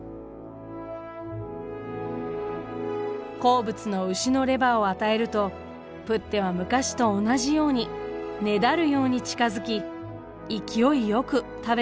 好物の牛のレバーを与えるとプッテは昔と同じようにねだるように近づき勢いよく食べたといいます。